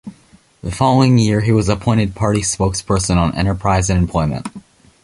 The following year he was appointed party spokesperson on Enterprise and Employment.